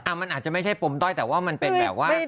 มันอาจจะไม่ใช่ปมด้อยแต่ว่ามันเป็นแบบว่า